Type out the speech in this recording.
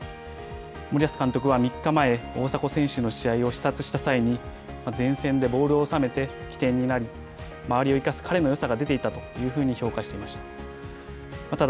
森保監督は３日前、大迫選手の試合を視察した際に前線でボールをおさめて、起点になり周りを生かす彼のよさが出ていたというふうに評価していました。